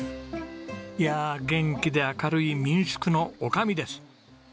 いやあ元気で明るい民宿の女将です。